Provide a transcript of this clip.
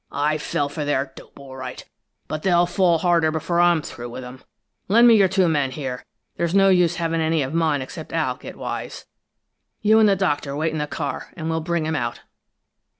I fell for their dope, all right, but they'll fall harder before I'm through with them! Lend me your two men, here. There's no use having any of mine except Al get wise. You and the Doctor wait in the car, and we'll bring him out."